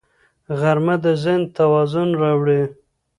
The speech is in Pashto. غرمه د ذهن توازن راوړي